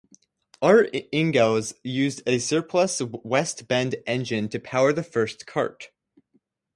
Art Ingels used a surplus West Bend engine to power the first kart.